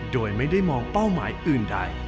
โดยไม่ได้มองเป้าหมายอื่นใด